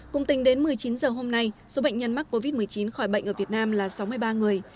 cùng tình đến một mươi chín giờ hôm nay số bệnh nhân mắc covid một mươi chín khỏi bệnh ở việt nam là sáu mươi ba người